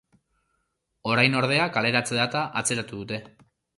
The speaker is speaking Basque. Orain ordea, kaleratze-data atzeratu dute.